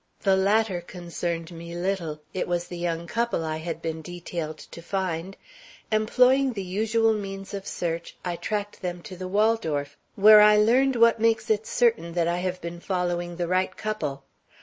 The latter concerned me little; it was the young couple I had been detailed to find. Employing the usual means of search, I tracked them to the Waldorf, where I learned what makes it certain that I have been following the right couple.